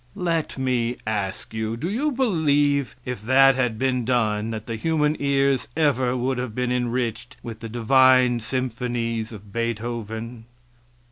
Let me ask you do you believe if that had been done that the human ears ever would have been enriched with the divine symphonies of Beethoven?